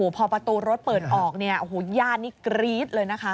พอประตูรถเปิดออกญาตินี้กรีดเลยนะคะ